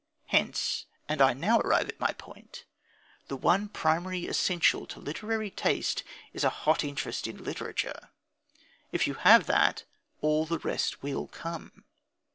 Hence and I now arrive at my point the one primary essential to literary taste is a hot interest in literature. If you have that, all the rest will come.